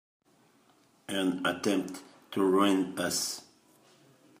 An attempt to ruin us!